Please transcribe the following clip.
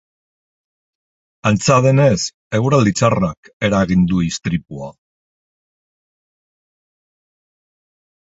Antza denez, eguraldi txarrak eragin du istripua.